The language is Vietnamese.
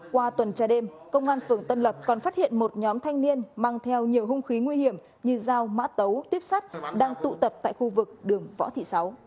qua tuần tra đêm công an phường tân lập còn phát hiện một nhóm thanh niên mang theo nhiều hung khí nguy hiểm như dao mã tấu tuyếp sắt đang tụ tập tại khu vực đường võ thị sáu